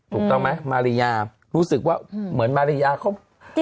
ถูกต้องไหมมาริยารู้สึกว่าเหมือนมาริยาเขา